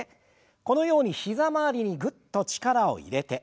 このように膝周りにぐっと力を入れて。